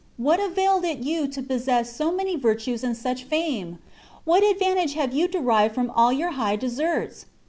what availed it you to possess so many virtues and such fame? What advantage have you derived from all your high deserts?